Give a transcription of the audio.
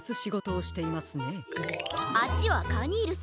あっちはカニールさん。